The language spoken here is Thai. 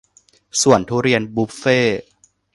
สวนทุเรียนบุฟเฟ่ต์